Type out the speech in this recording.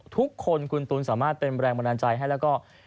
ทุกคนคุณตูนสามารถเป็นแรงบันดาลใจให้แล้วก็